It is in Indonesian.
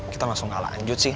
kita langsung kalah lanjut sih